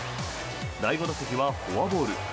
第５打席はフォアボール。